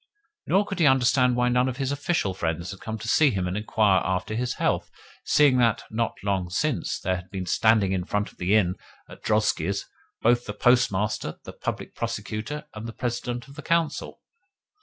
Nor could he understand why none of his official friends had come to see him and inquire after his health, seeing that, not long since, there had been standing in front of the inn the drozhkis both of the Postmaster, the Public Prosecutor, and the President of the Council.